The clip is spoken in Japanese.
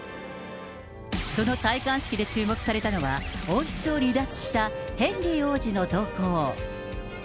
その戴冠式で注目されたのは、王室を離脱したヘンリー王子の動向。